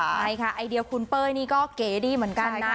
ใช่ค่ะไอเดียคุณเป้ยนี่ก็เก๋ดีเหมือนกันนะ